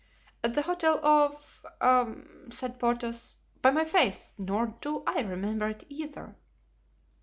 "At the hotel of——," said Porthos; "by my faith—nor do I remember it either."